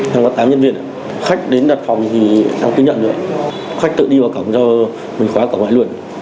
năm có tám nhân viên khách đến đặt phòng thì em cứ nhận được khách tự đi vào cổng cho mình khóa cổng lại luôn